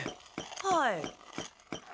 はい。